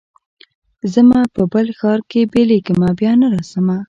ځمه په بل ښار کي بلېږمه بیا نه راځمه